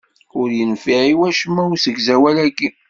Ur yenfiɛ i wacemma usegzawal-aki.